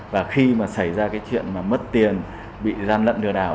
và khi mà xảy ra cái chuyện mà mất tiền bị gian lận lừa đảo